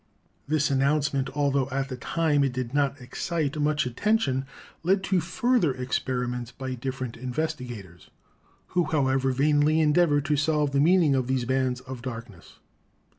This announcement, altho at the time it did not excite much attention, led to further experiments by different investigators, who, however, vainly endeavored to solve the meaning of these bands of darkness.